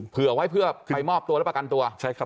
เผื่อไว้เพื่อไปมอบตัวและประกันตัว